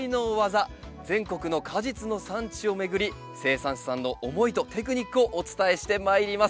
全国の果実の産地を巡り生産者さんの思いとテクニックをお伝えしてまいります。